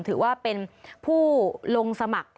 ถือว่าเป็นผู้ลงสมัคร